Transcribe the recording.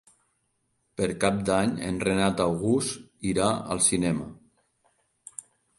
Per Cap d'Any en Renat August irà al cinema.